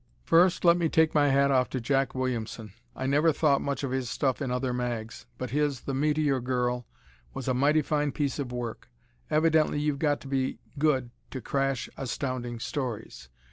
First, let me take my hat off to Jack Williamson. I never thought much of his stuff in other mags, but his "The Meteor Girl" was a mighty fine piece of work. Evidently you've got to be good to crash Astounding Stories.